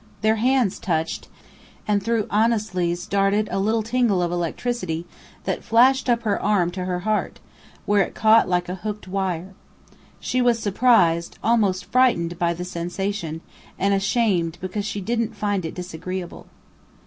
Their hands touched, and through Annesley's darted a little tingle of electricity that flashed up her arm to her heart, where it caught like a hooked wire. She was surprised, almost frightened by the sensation, and ashamed because she didn't find it disagreeable.